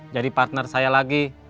jadi partner saya lagi